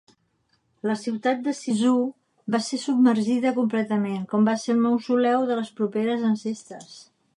La ciutat de Sizhou va ser submergida completament, com va ser el mausoleu de les properes ancestres.